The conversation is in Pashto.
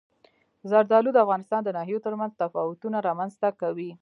زردالو د افغانستان د ناحیو ترمنځ تفاوتونه رامنځ ته کوي.